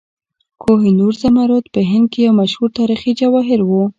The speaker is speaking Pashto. کوه نور زمرد په هند کې یو مشهور تاریخي جواهر و.